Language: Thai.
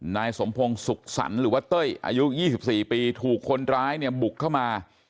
นายสมพงศ์สุขสรรค์หรือว่าเต้ยอายุ๒๔ปีถูกคนร้ายเนี่ยบุกเข้ามา